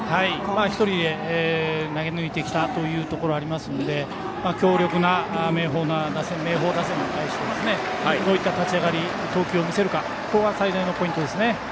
１人で投げ抜いてきたというところがありますので強力な明豊打線に対してどういった立ち上がり投球を見せるかが最大のポイントですね。